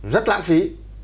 rất lãng phí